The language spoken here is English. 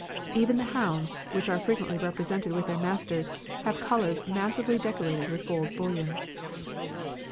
Even the hounds, which are frequently represented with their masters, have collars massively decorated with gold bullion."